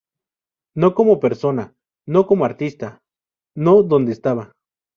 No como persona, no como artista, no donde estaba.